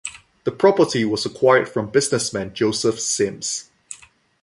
The property was acquired from businessman Joseph Sims.